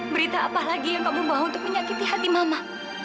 berita apa lagi yang kamu bawa untuk menyakiti hati mama